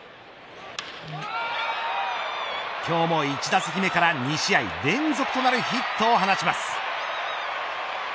今日も１打席目から２試合連続となるヒットを放ちます。